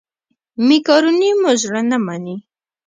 مېکاروني مو زړه نه مني.